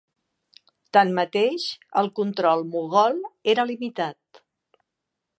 Tanmateix, el control mogol era limitat.